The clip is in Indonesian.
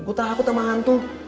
gua takut sama hantu